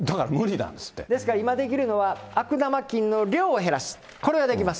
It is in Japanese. だから今できるのは、悪玉菌の量を減らす、これはできます。